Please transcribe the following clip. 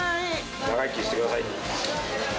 長生きしてください。